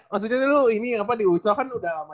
maksudnya dulu ini apa di uco kan udah lama